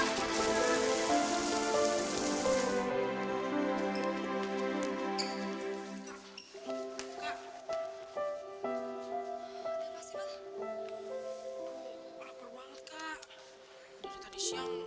sampai jumpa di video selanjutnya